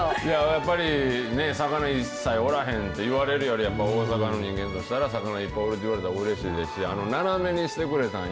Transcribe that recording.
やっぱり、魚、一切おらへんって言われるよりは、やっぱ大阪の人間としたら、魚いっぱいいると言われたらうれしいですし、あれ、斜めにしてくれたん、